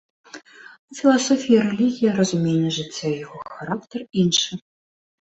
У філасофіі і рэлігіі, разуменне жыцця і яго характар іншы.